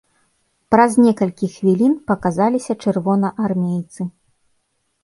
Праз некалькі хвілін паказаліся чырвонаармейцы.